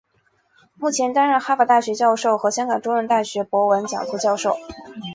目前担任哈佛大学教授和香港中文大学博文讲座教授。